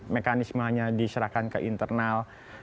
mekanisme hanya diserahkan ke internal